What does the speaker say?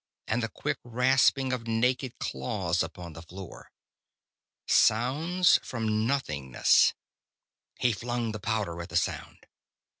And the quick rasping of naked claws upon the floor. Sounds from nothingness! He flung the powder at the sound.